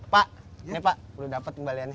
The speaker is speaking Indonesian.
pak ini pak udah dapet kembaliannya